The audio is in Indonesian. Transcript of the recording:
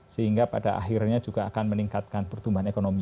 sehingga pada akhirnya juga akan meningkatkan pertumbuhan ekonomi